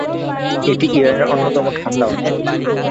এটি ইরানের অন্যতম ঠান্ডা অঞ্চল।